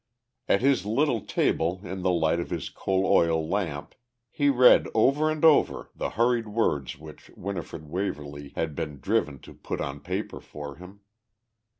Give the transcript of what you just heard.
At his little table in the light of his coal oil lamp he read over and over the hurried words which Winifred Waverly had been driven to put on paper for him.